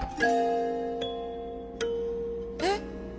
えっ。